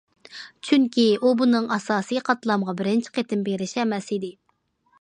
چۈنكى ئۇ بۇنىڭ ئاساسىي قاتلامغا بىرىنچى قېتىم بېرىشى ئەمەس ئىدى.